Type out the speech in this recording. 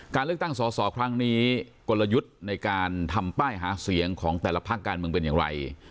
การเลือกตั้งสอสอครั้งนี้กลยุทธ์ในการทำป้ายหาเสียงของแต่ละภาคการเมืองเป็นอย่างไร